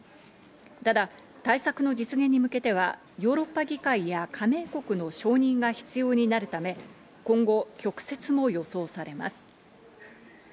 ただ、対策の実現に向けてはヨーロッパ議会や加盟国の承認が必要になるため、今後、曲折も予想されます。